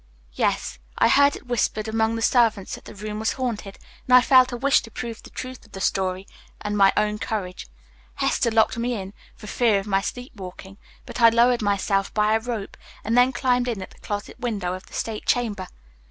"Yes, I heard it whispered among the servants that the room was haunted, and I felt a wish to prove the truth of the story and my own courage. Hester locked me in, for fear of my sleepwalking; but I lowered myself by a rope and then climbed in at the closet window of the state chamber.